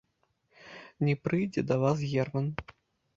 Не прыйдзе да вас герман.